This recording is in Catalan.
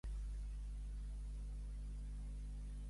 I davant d'ell s'alçà Guifré el Pilós i assassinà el comte anglès.